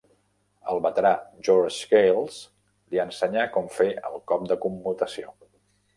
El veterà George Scales li ensenyà com fer el cop de commutació.